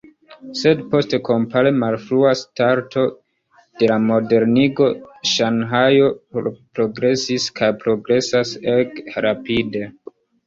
Sed post kompare malfrua starto de la modernigo Ŝanhajo progresis kaj progresas ege rapide.